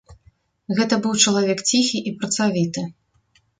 Гэта быў чалавек ціхі і працавіты.